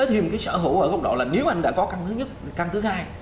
rồi người ta sẽ thêm cái sở hữu ở góc độ là nếu anh đã có căn thứ nhất căn thứ hai